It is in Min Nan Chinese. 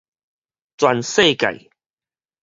全世界